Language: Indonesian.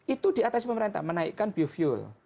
itu di atas pemerintah menaikkan biofuel